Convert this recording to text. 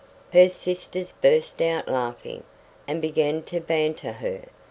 Her sisters burst out a laughing, and began to banter her.